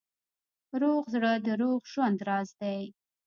روغ زړه د روغ ژوند راز دی.